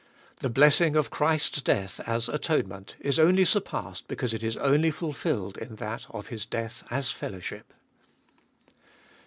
The blessing of Christ's death as atonement is only surpassed because it is only fulfilled in that of His death as fellowship.